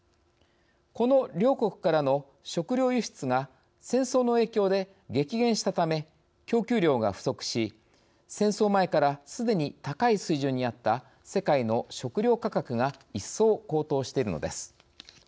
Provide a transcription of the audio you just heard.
この両国からの食糧輸出が戦争の影響で激減したため供給量が不足し、戦争前からすでに高い水準にあった世界の食糧価格が一層高騰しているのです。